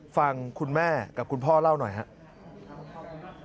ฟังคุณแม่กับคุณพ่อเล่าหน่อยครับ